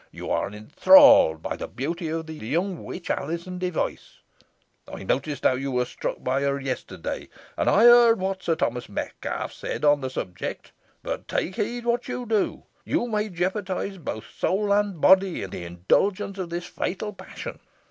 You are enthralled by the beauty of the young witch, Alizon Device. I noted how you were struck by her yesterday and I heard what Sir Thomas Metcalfe said on the subject. But take heed what you do. You may jeopardise both soul and body in the indulgence of this fatal passion.